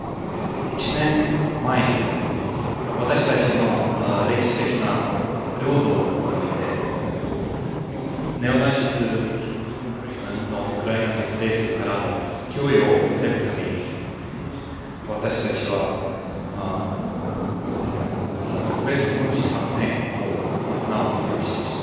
１年前に、私たちの歴史的な領土においてネオナチスのウクライナの政府からの脅威を防ぐために私たちは特別軍事作戦を行うことにしました。